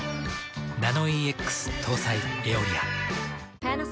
ナノイーＸ搭載「エオリア」。